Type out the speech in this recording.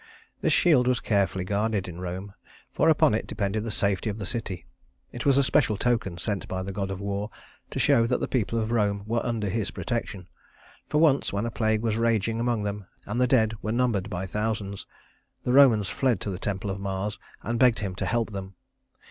This shield was carefully guarded in Rome, for upon it depended the safety of the city. It was a special token sent by the god of war to show that the people of Rome were under his protection; for once when a plague was raging among them and the dead were numbered by thousands, the Romans fled to the temple of Mars and begged him to help them.